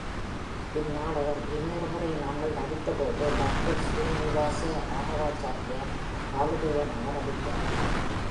இந்நாடகம் இன்னொரு முறை நாங்கள் நடித்த பொழுது, டாக்டர் ஸ்ரீநிவாச ராகவாச்சாரியார் காலதேவனாக நடித்தார்.